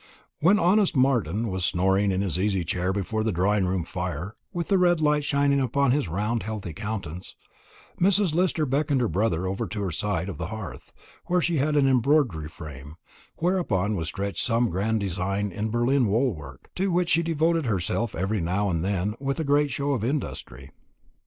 When honest Martin was snoring in his easy chair before the drawing room fire, with the red light shining full upon his round healthy countenance, Mrs. Lister beckoned her brother over to her side of the hearth, where she had an embroidery frame, whereon was stretched some grand design in Berlin wool work, to which she devoted herself every now and then with a great show of industry.